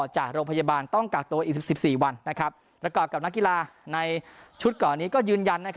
จากโรงพยาบาลต้องกักตัวอีก๑๔วันประกอบกับนักกีฬาในชุดก่อนนี้ก็ยืนยัน